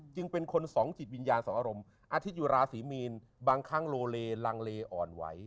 จึงเป็นคนสองจิตวิญญาณสองอารมณ์อาทิตยุราศรีมีนบางครั้งโลเลลังเลอ่อนไหว